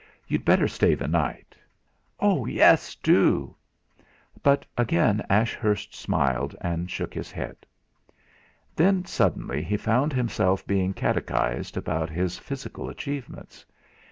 You'd better stay the night." "Yes, do!"' But again Ashurst smiled and shook his head. Then suddenly he found himself being catechised about his physical achievements.